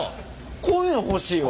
こういうの欲しいわ。